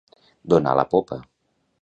Donar la popa.